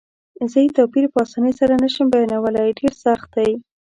زه یې توپیر په اسانۍ سره نه شم بیانولای، ډېر سخت دی.